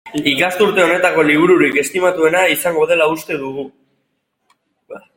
Ikasturte honetako libururik estimatuena izango dela uste dugu.